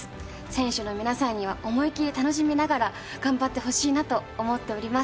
選手の皆さんには思いきり楽しみながら頑張ってほしいなと思っております。